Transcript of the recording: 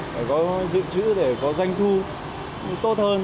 phải có giữ chữ để có doanh thu tốt hơn